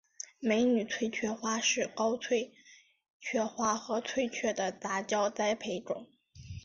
美女翠雀花是高翠雀花和翠雀的杂交栽培种。